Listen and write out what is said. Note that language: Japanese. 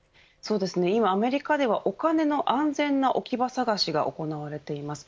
今アメリカではお金の安全な置き場し探しが行われています。